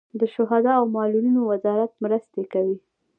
د شهدا او معلولینو وزارت مرستې کوي